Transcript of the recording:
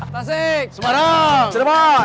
tasik semarang cerebon